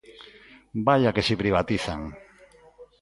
¡Vaia que si privatizan!